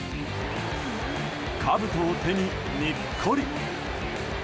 かぶとを手に、にっこり。